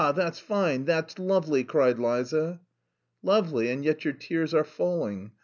That's fine, that's lovely," cried Liza. "Lovely, and yet your tears are falling.